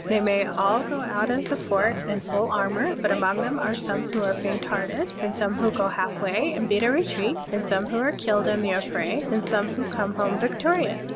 They may all go out of the^fort in full armor; but among them are some who are faint hearted, and some who go halfway and beat a retreat, and some who are killed in the affray, and some who come home victorious.